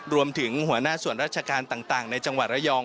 หัวหน้าส่วนราชการต่างในจังหวัดระยอง